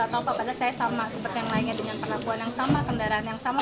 atau apapun saya sama seperti yang lainnya dengan perlakuan yang sama